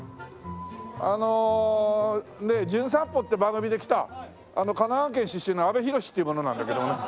あの『じゅん散歩』って番組で来た神奈川県出身の阿部寛っていう者なんだけどもね。